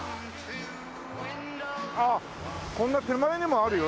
あっこんな手前にもあるよ